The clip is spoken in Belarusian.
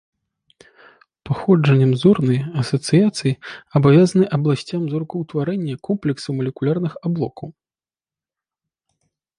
Паходжаннем зорныя асацыяцыі абавязаны абласцям зоркаўтварэння комплексаў малекулярных аблокаў.